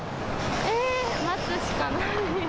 えー、待つしかない。